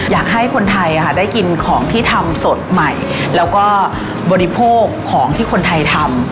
อยากให้คนไทยได้กินของที่ทำสดใหม่แล้วก็บริโภคของที่คนไทยทำ